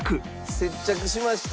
接着しました。